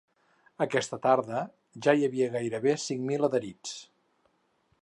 Aquesta tarda ja hi havia gairebé cinc mil adherits.